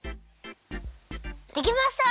できました！